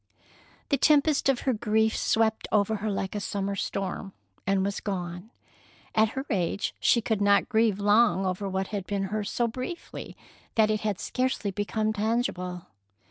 The tempest of her grief swept over her like a summer storm, and was gone. At her age she could not grieve long over what had been hers so briefly that it had scarcely become tangible.